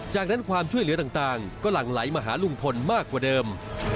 จากนั้นความช่วยเหลือต่างก็หลั่งไหลมาหาลุงพลมากกว่าเดิม